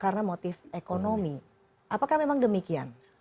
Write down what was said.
karena motif ekonomi apakah memang demikian